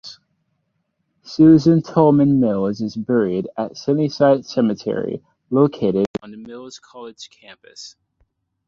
Susan Tolman Mills is buried at Sunnyside Cemetery, located on the Mills College Campus.